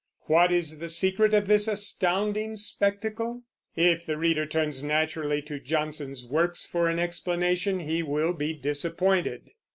What is the secret of this astounding spectacle? If the reader turns naturally to Johnson's works for an explanation, he will be disappointed.